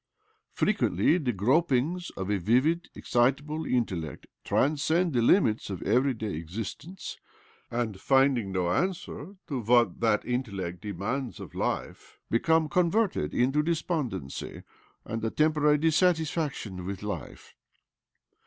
Frequently the gropings of a vivid, excitable intellect transcend the limits of everyday existence, and, finding no answer to what that intellect demands of life, become converted into despondency and a temporary dissatisfaction with life.